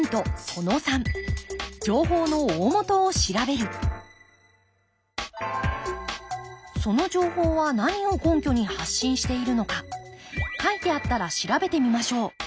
その３その情報は何を根拠に発信しているのか書いてあったら調べてみましょう。